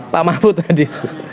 pak mahfud tadi